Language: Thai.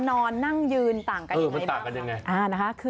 นอนนั่งยืนต่างกันอย่างไรบ้าง